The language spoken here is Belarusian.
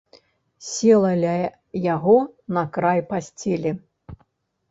Села ля яго на край пасцелі.